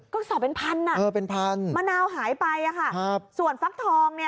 ก็สอบเป็นพันอ่ะเออเป็นพันมะนาวหายไปอ่ะค่ะครับส่วนฟักทองเนี่ย